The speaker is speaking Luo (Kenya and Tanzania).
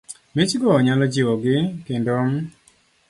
Michgo nyalo jiwogi, kendo m